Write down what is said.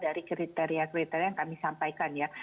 dari kriteria kriteria yang kami sampaikan ya